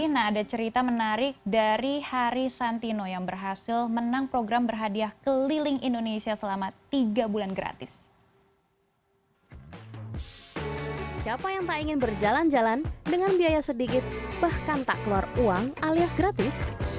nah ada cerita menarik dari hari santino yang berhasil menang program berhadiah keliling indonesia selama tiga bulan gratis